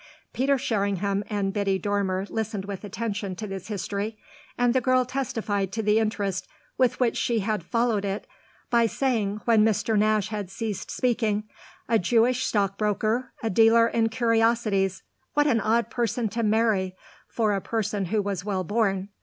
Peter Sherringham and Biddy Dormer listened with attention to this history, and the girl testified to the interest with which she had followed it by saying when Mr. Nash had ceased speaking: "A Jewish stockbroker, a dealer in curiosities: what an odd person to marry for a person who was well born!